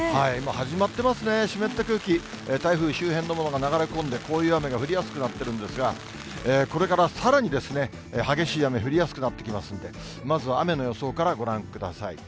始まってますね、湿った空気、台風周辺のものが流れ込んで、こういう雨が降りやすくなってるんですが、これからさらに激しい雨、降りやすくなってきますんで、まずは雨の予想からご覧ください。